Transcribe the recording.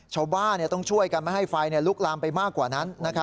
ชาวบ้านต้องช่วยกันไม่ให้ไฟลุกลามไปมากกว่านั้น